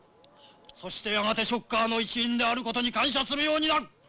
そしてやがてショッカーの一員であることに感謝するようになる！